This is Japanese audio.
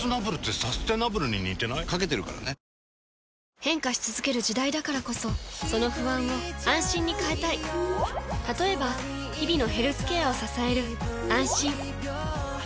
変化し続ける時代だからこそその不安を「あんしん」に変えたい例えば日々のヘルスケアを支える「あんしん」